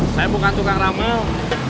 saya bukan tukang ramal